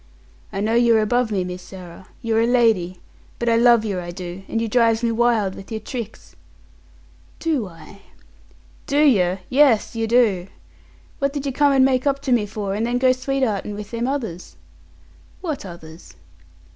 "I know you're above me, Miss Sarah. You're a lady, but I love yer, I do, and you drives me wild with yer tricks." "Do I?" "Do yer? Yes, yer do. What did yer come an' make up to me for, and then go sweetheartin' with them others?" "What others?"